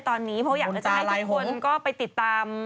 ตอนนี้เพราะอยากจะให้ทุกคนก็ไปติดตาม